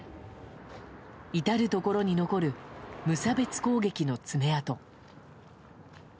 至るところに残る無差別攻撃の爪痕。